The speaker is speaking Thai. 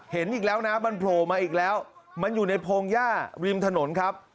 อีกแล้วนะมันโผล่มาอีกแล้วมันอยู่ในพงหญ้าริมถนนครับ